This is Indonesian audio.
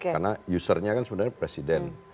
karena usernya kan sebenarnya presiden